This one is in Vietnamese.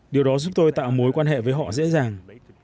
điều đó giúp tôi tạo mối quan hệ với họ dễ dàng